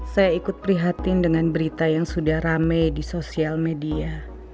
saya ikut prihatin dengan berita yang sudah rame di sosial media